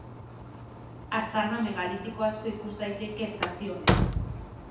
Aztarna megalitiko asko ikus daiteke Estazio honetan.